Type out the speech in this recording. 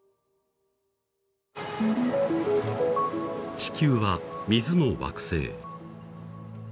地球は水の惑星。